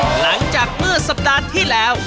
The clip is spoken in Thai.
หลังจากเมื่อสัปดาห์ที่แล้ว